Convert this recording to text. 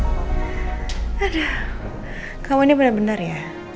aduh kamu ini benar benar ya